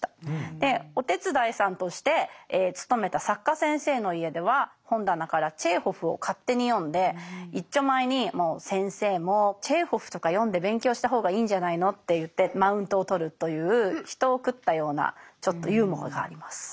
でお手伝いさんとして勤めた作家先生の家では本棚からチェーホフを勝手に読んでいっちょまえに「先生もチェーホフとか読んで勉強した方がいいんじゃないの」って言ってマウントをとるという人を食ったようなちょっとユーモアがあります。